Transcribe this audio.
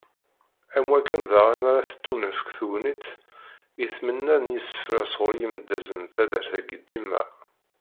Am wakken daɣen ara tettunefk tegnit i tmenna n yisefra sɣur yimedyazen n taddart-agi dimma.